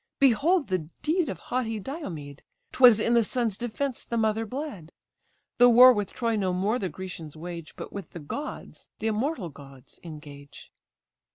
Behold the deed of haughty Diomed! 'Twas in the son's defence the mother bled. The war with Troy no more the Grecians wage; But with the gods (the immortal gods) engage."